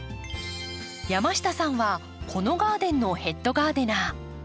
山下さんはこのガーデンのヘッドガーデナー。